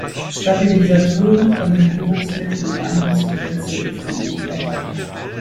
Stabilisatoren, Konservierungsmittel und andere Zusätze sind nicht erlaubt.